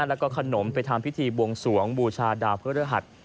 แล้วก็ขนมไปทำพิธีบวงสวงบูชาดาวพระฤหัส